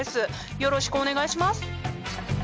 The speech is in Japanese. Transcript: よろしくお願いします。